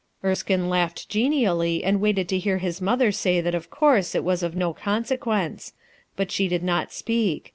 Erskine laughed genially and waited to hear his mother say that of course that was of no "PLANS FOll A PURPOSE" hi consequence; but she did not speak.